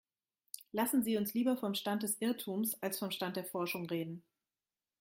Lassen Sie uns lieber vom Stand des Irrtums als vom Stand der Forschung reden.